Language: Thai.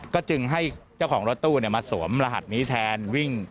ก็จึงให้เจ้าของรถตู้มาสวมรหัสนี้แทนวิ่ง